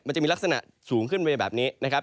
มันจะมีลักษณะสูงขึ้นไปแบบนี้นะครับ